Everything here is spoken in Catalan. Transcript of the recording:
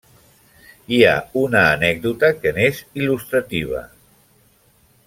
Hi ha una anècdota que n'és il·lustrativa.